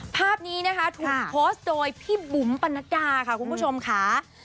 ภาพนี้นะคะถูกโพสต์โดยพี่บุ๋มปนัดดาค่ะคุณผู้ชมค่ะ